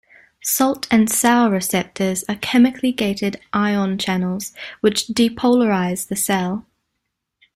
Salt and sour receptors are chemically gated ion channels, which depolarize the cell.